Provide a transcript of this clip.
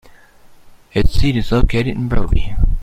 Its seat is located in Broby.